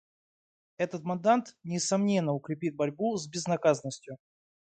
Этот мандат, несомненно, укрепит борьбу с безнаказанностью.